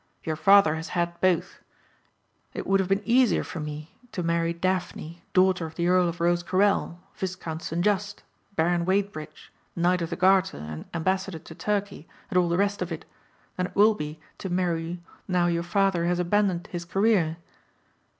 Your father has had both. It would have been easier for me to marry Daphne, daughter of the Earl of Rosecarrel, Viscount St. Just, Baron Wadebridge, Knight of the Garter, and Ambassador to Turkey, and all the rest of it, than it will be to marry you now your father has abandoned his career."